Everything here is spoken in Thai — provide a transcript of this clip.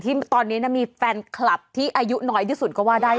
ที่ตอนนี้มีแฟนคลับที่อายุน้อยที่สุดก็ว่าได้